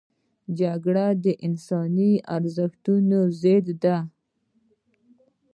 جګړه د انساني ارزښتونو ضد ده